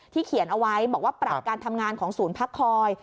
เขียนเอาไว้บอกว่าปรับการทำงานของศูนย์พักคอย